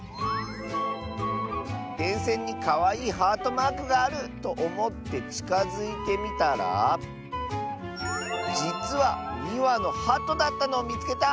「でんせんにかわいいハートマークがあるとおもってちかづいてみたらじつは２わのハトだったのをみつけた！」。